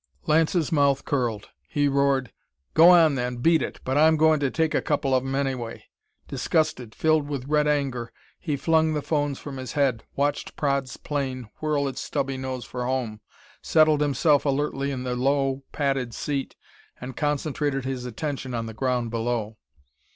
Lance's mouth curled. He roared: "Go on, then, beat it! But I'm goin' to take a couple of 'em, anyway." Disgusted, filled with red anger, he flung the phones from his head, watched Praed's plane whirl its stubby nose for home, settled himself alertly in the low, padded seat and concentrated his attention on the ground below.